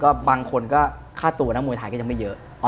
บางคนก็ค่าตัวนักมวยไทยก็ยังไม่เยอะ